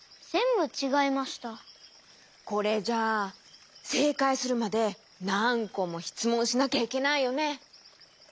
これじゃあせいかいするまでなんこもしつもんしなきゃいけないよね。